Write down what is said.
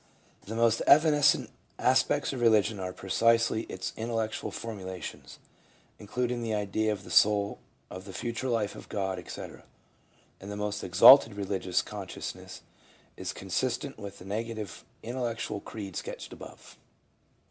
The most evanescent aspects of religion are precisely its intellectual formulations, includ ing the idea of the soul, of the future life, of God, etc. ; and the most exalted religious consciousness is consistent with the negative intellectual creed sketched above.